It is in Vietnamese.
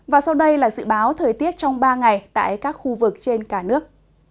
và sau đây là dự báo thời tiết trong ba ngày tại các khu vực trên cả nước